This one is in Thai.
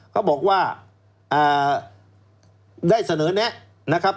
เขาบอกว่าได้เสนอแนะนะครับ